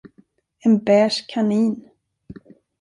En beige kanin.